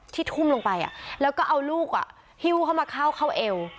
ที่ทุ่มลงไปอ่ะแล้วก็เอาลูกอ่ะฮิวเข้ามาเข้าเข้าเอว